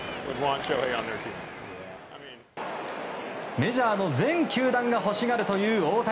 メジャーの全球団が欲しがるという大谷。